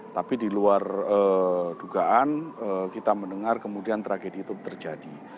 tapi di luar dugaan kita mendengar kemudian tragedi itu terjadi